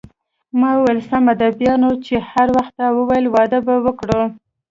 ما وویل: سمه ده، بیا نو چې هر وخت تا وویل واده به وکړو.